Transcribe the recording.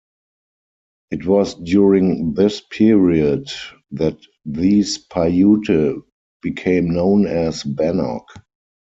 It was during this period that these Paiute became known as Bannock.